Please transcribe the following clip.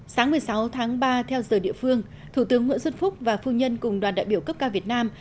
sáng một mươi sáu tháng ba theo giờ địa phương thủ tướng nguyễn xuân phúc và phu nhân cùng đoàn đại biểu cấp cao việt nam